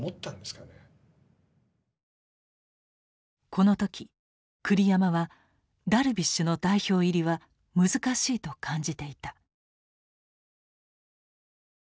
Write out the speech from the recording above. この時栗山はダルビッシュの代表入りは難しいと感じていた。